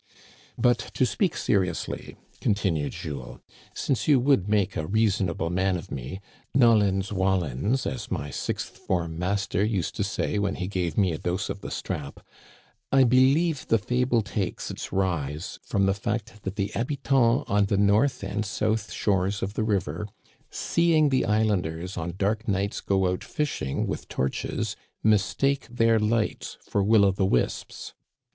" But to speak seriously," continued Jules, '* since you would make a reasonable man of me, nolens volensj as my sixth form master used to say when he gave me a dose of the strap, I believe the fable takes its rise from the fact that the habitants on the north and south shores of the river, seeing the islanders on dark nights go out fishing with torches, mistake their lights for will o' the wisps.